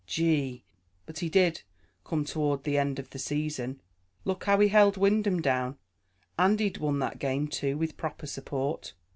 Gee! but he did come toward the end of the season. Look how he held Wyndham down; and he'd won that game, too, with proper support.